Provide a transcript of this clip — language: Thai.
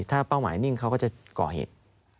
ถ้าเป้าหมายนิ่งเขาก็จะก่อเหตุ